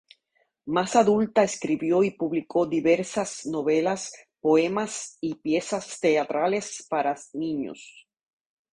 Más adulta escribió y publicó diversas novelas, poemas y piezas teatrales para niños.